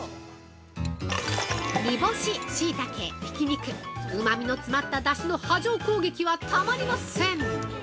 煮干し、シイタケ、ひき肉うまみの詰まった出汁の波状攻撃はたまりません！